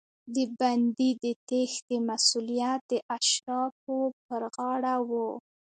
د بندي د تېښتې مسوولیت د اشرافو پر غاړه و.